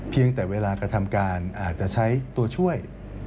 เพียงแต่เวลากระทำการอาจจะใช้ตัวช่วย